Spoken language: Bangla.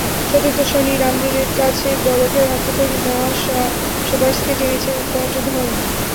সতীর্থ সনি রামদিনের কাছে গলফের হাতেখড়ি নেওয়া সোবার্সকে টেনেছে খেলাটির ধরন।